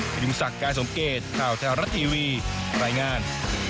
พยุงศักดิ์การสมเกตข่าวแท้รัฐทีวีรายงาน